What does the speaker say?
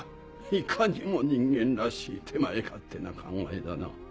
いかにも人間らしい手前勝手な考えだな。